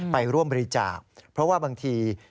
ไปร่วมบริจาคเพราะว่าบางที